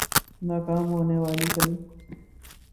ناکام ہونے والی فلم